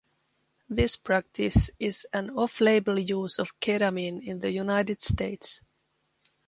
This practice is an off label use of ketamine in the United States.